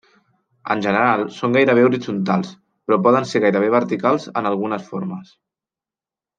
En general són gairebé horitzontals, però poden ser gairebé verticals en algunes formes.